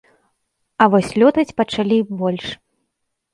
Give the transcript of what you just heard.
А вось лётаць пачалі больш.